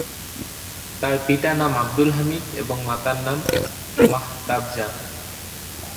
তার পিতার নাম আবদুল হামিদ এবং মাতার নাম মাহতাবজান।